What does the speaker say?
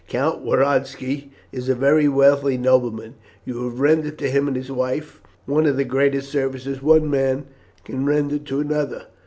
"Count Woronski is a very wealthy nobleman. You have rendered to him and his wife one of the greatest services one man can render to another.